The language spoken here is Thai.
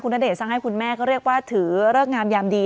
ณเดชนสร้างให้คุณแม่ก็เรียกว่าถือเลิกงามยามดี